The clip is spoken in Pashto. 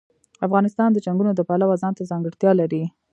افغانستان د چنګلونه د پلوه ځانته ځانګړتیا لري.